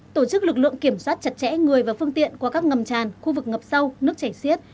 tổ chức lực lượng kiểm soát chặt chẽ người và phương tiện qua các ngầm tràn khu vực ngập sâu nước chảy xiết